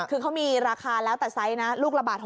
คือเขามีราคาแล้วแต่ไซส์นะลูกละบาท